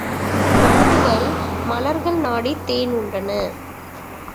வண்டுகள் மலர்கள் நாடித் தேன் உண்டன.